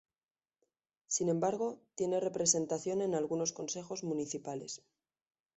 Sin embargo, tiene representación en algunos Consejos Municipales.